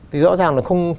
thì rõ ràng là không